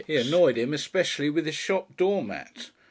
He annoyed him especially with his shop doormat.